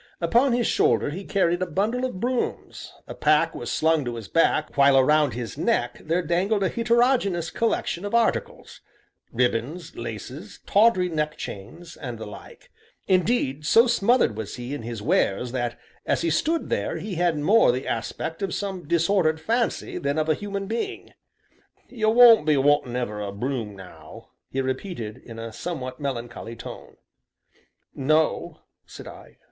Upon his shoulder he carried a bundle of brooms, a pack was slung to his back, while round his neck there dangled a heterogeneous collection of articles ribbons, laces, tawdry neck chains, and the like; indeed, so smothered was he in his wares that, as he stood there, he had more the aspect of some disordered fancy than of a human being. "You won't be wantin' ever a broom, now?" he repeated, in a somewhat melancholy tone. "No," said I.